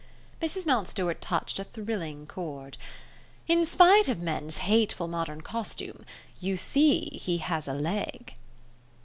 Mrs. Mountstuart touched a thrilling chord. "In spite of men's hateful modern costume, you see he has a leg."